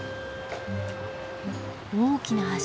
大きな橋。